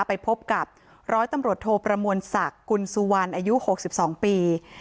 ไปพบกับร้อยตำรวจโทประมวลศักดิ์กุลสุวรรณอายุ๖๒ปี